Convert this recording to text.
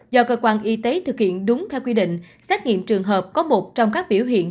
do cơ quan y tế thực hiện đúng theo quy định xét nghiệm trường hợp có một trong các biểu hiện